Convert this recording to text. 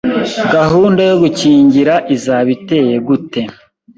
Gahunda yo gukingira izaba iteye gute